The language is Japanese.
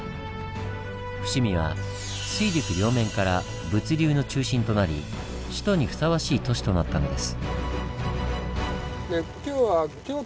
伏見は水陸両面から物流の中心となり首都にふさわしい都市となったのです。